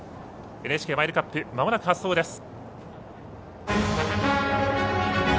ＮＨＫマイルカップまもなく発走です。